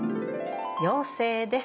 「妖精」です。